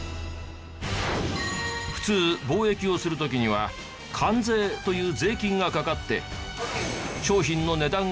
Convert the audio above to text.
普通貿易をする時には関税という税金がかかって。